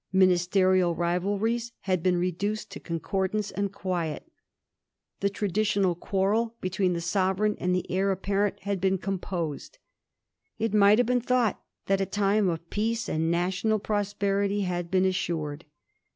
Ministerial rivalries had been reduced to concordance and quiet ; the traditional quarrel between the Sovereign and the heir apparent had been composed. It might have been thought that a time of peace and national pro sperity had been assured.